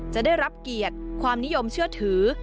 จะได้รับเกียรติความนิยมเชื่อถือ